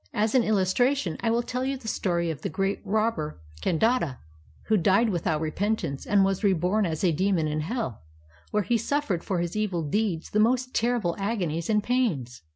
"As an illustration, I will tell you the story of the great robber Kandata, who died without repentance and was reborn as a demon in hell, where he suffered for his evil deeds the most terrible agonies and pains.